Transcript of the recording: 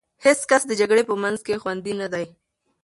هېڅ کس د جګړې په منځ کې خوندي نه دی.